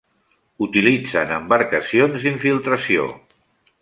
Utilitzen embarcacions d'infiltració.